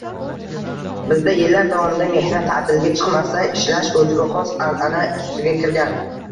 Bizda yillar davomida mehnat taʼtiliga chiqmasdan ishlash oʻziga xos “anʼana” tusiga kirgan.